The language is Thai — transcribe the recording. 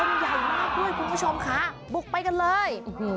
มันใหญ่มากด้วยคุณผู้ชมค่ะบุกไปกันเลย